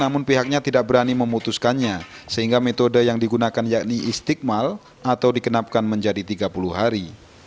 namun pihaknya tidak berani memutuskannya sehingga metode yang digunakan yakni istiqmal atau dikenapkan menjadi tiga puluh hari